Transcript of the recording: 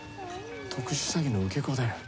特殊詐欺の受け子だよ。